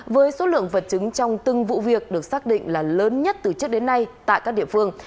với số lượng vật chứng trong từng vụ việc được xác định là lớn nhất từ trước đến nay tại các địa phương